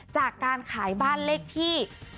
จากการขายบ้านเลขที่๑๒๓๒๙๙ไป